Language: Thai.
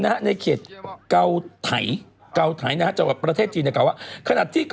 ต้องเข้าใจใช่ไหม